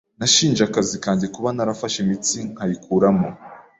Nashinje akazi kanjye kuba narafashe imitsi nkayikuramo